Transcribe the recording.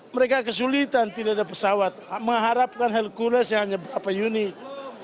mereka kesulitan tidak ada pesawat mengharapkan hercules hanya berapa unit